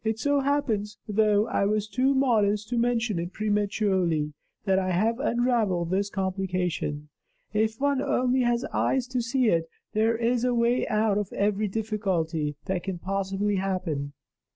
It so happens though I was too modest to mention it prematurely that I have unraveled this complication. If one only has eyes to see it, there is a way out of every difficulty that can possibly happen."